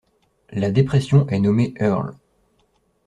La dépression est nommée Earl.